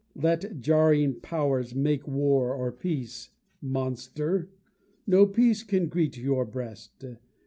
Let jarring powers make war or peace, Monster! no peace can greet your breast!